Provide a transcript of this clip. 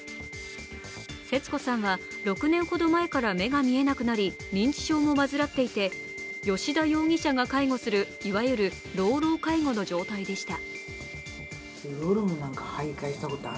節子さんは６年ほど前から目が見えなくなり認知症も患っていて、吉田容疑者が介護する、いわゆる老老介護の状態でした。